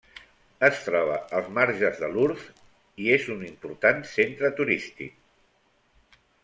Es troba als marges de l'Ourthe i és un important centre turístic.